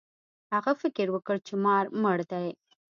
هغه فکر وکړ چې مار مړ دی.